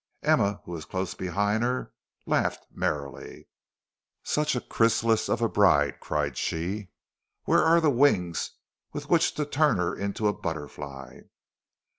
Emma, who was close behind her, laughed merrily. "Such a chrysalis of a bride," cried she. "Where are the wings with which to turn her into a butterfly?"